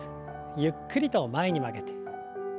ゆっくりと前に曲げて。